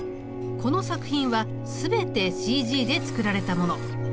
この作品は全てＣＧで作られたもの。